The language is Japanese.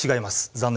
残念。